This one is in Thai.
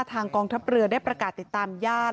กองทัพเรือได้ประกาศติดตามญาติ